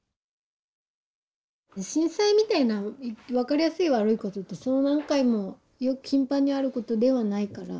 震災みたいな分かりやすい悪いことってそう何回も頻繁にあることではないから。